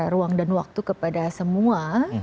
ruang dan waktu kepada semua